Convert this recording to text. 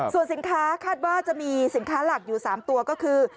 ส่วนสินค้าคาดว่าจะมีสินค้าหลักอยู่๓ตัวก็คือ